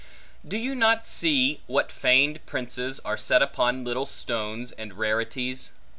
Do you not see what feigned prices, are set upon little stones and rarities?